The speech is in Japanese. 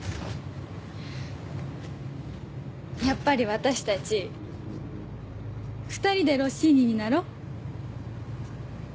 やっぱり私たち２人でロッシーニになろう。